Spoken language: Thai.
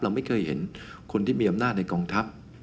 เราไม่เคยเห็นคนที่มีอำนาจในกองทัพ